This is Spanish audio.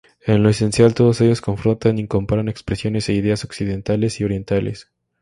En lo esencial, todos ellos confrontan y comparan expresiones e ideas occidentales y orientales.